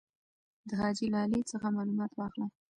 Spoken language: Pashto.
د حاجي لالي څخه معلومات واخله.